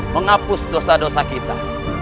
menghapus dosa dosa kita